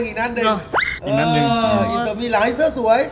อินเตอร์มีร้านให้เสื้อสวย